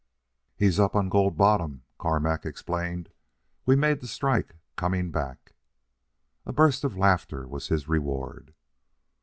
"He's up on Gold Bottom," Carmack explained. "We made the strike coming back." A burst of laughter was his reward.